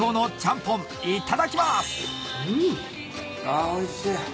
あおいしい。